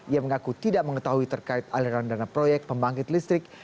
ia mengaku tidak mengetahui terkait aliran dana proyek pembangkit listrik